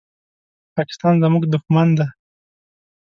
پاکستان زمونږ دوښمن دی